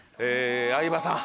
相葉さん。